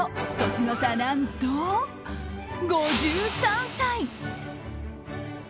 年の差、何と５３歳！